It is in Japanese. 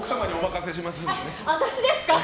私ですか？